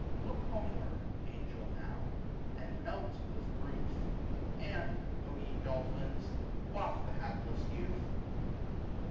Look homeward, Angel, now, and melt with ruth : And, O ye dolphins, waft the hapless youth.